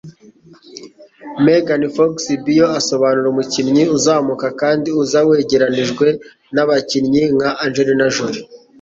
Megan Fox bio asobanura umukinnyi uzamuka kandi uza wagereranijwe nabakinnyi nka Angelina Jolie.